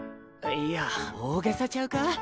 いや大げさちゃうか？